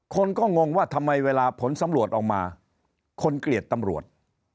คนก็งงว่าทำไมเวลาผลสำรวจออกมาคนเกลียดตำรวจ